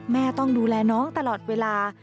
แม่ต้องดูแลน้องตลอดเวลา